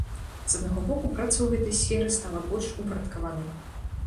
З аднаго боку, праца ў гэтай сферы стала больш упарадкаванай.